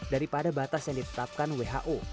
daripada batas yang ditetapkan who